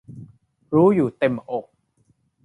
รู้อยู่เต็มอก